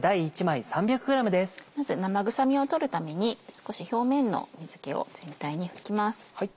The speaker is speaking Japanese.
まず生臭みを取るために少し表面の水気を全体に拭きます。